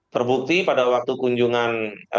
terbukti pada waktu kunjungan